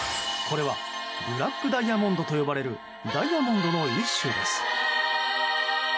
これはブラックダイヤモンドと呼ばれるダイヤモンドの一種です。